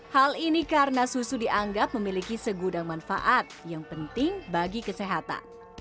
hal ini karena susu dianggap memiliki segudang manfaat yang penting bagi kesehatan